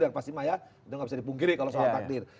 yang pasti maya itu nggak bisa dipungkiri kalau soal takdir